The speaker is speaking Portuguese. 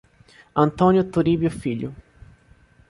Antônio Turibio Filho